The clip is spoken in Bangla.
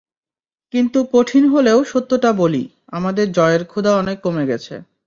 কিন্তু কঠিন হলেও সত্যটা বলি, আমাদের জয়ের ক্ষুধা অনেক কমে গেছে।